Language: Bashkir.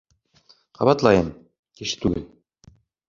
— Ҡабатлайым: кеше түгел.